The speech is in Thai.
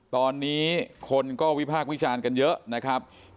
ตอนนี้คนก็วิพากษ์วิจารณ์กันเยอะนะครับ